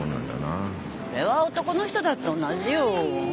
それは男の人だって同じよ。